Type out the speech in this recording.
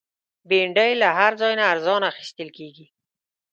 بېنډۍ له هر ځای نه ارزانه اخیستل کېږي